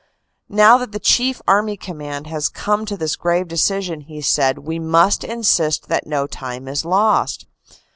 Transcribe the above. Now that the Chief Army Command has come to this grave decision, he said, we must insist that no time is lost.